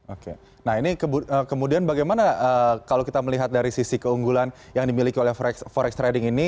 oke nah ini kemudian bagaimana kalau kita melihat dari sisi keunggulan yang dimiliki oleh forex trading ini